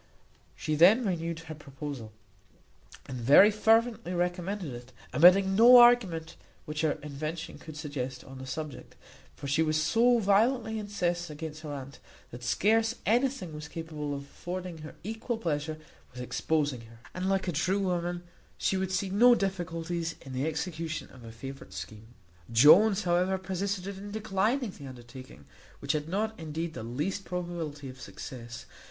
She then renewed her proposal, and very fervently recommended it, omitting no argument which her invention could suggest on the subject; for she was so violently incensed against her aunt, that scarce anything was capable of affording her equal pleasure with exposing her; and, like a true woman, she would see no difficulties in the execution of a favourite scheme. Jones, however, persisted in declining the undertaking, which had not, indeed, the least probability of success.